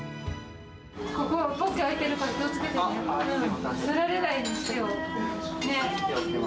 ここ、ポッケ開いてるから、気をつけてね。